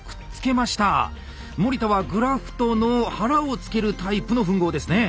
森田はグラフトの腹をつけるタイプの吻合ですね。